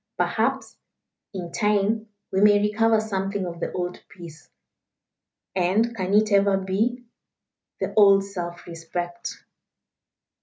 Perhaps, in time, we may recover something of the old peace and can it ever be? the old self respect."